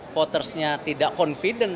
votersnya tidak confident